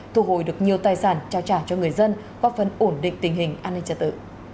thu hồi được nhiều tài sản trao trả cho người dân có phần ổn định tình hình an ninh trật tự